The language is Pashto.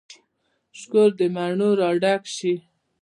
شکور د مڼو را ډک شي